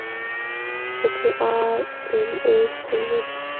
پکې آر این اې شتون لري.